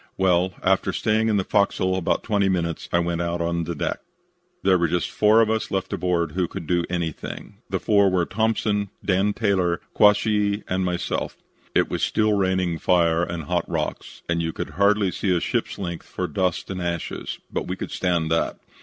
"Well, after staying in the fo'c's'l about twenty minutes I went out on deck. There were just four of us left aboard who could do anything. The four were Thompson, Dan Taylor, Quashee, and myself. It was still raining fire and hot rocks and you could hardly see a ship's length for dust and ashes, but we could stand that.